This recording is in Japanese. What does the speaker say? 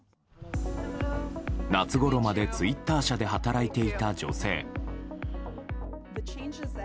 夏ごろまでツイッター社で働いていた女性。